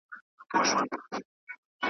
باران د کرنې لپاره ګټور دی.